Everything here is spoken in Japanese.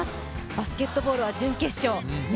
バスケットボールは準決勝。